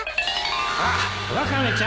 あっワカメちゃん